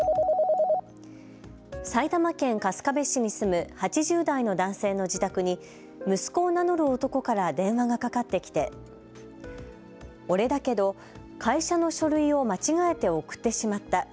埼玉県春日部市に住む８０代の男性の自宅に息子を名乗る男から電話がかかってきて俺だけど、会社の書類を間違えて送ってしまった。